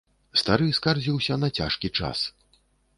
Стары скардзіўся на цяжкі час.